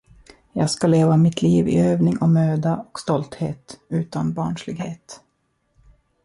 Jag skall leva mitt liv i övning och möda och stolthet, utan barnslighet.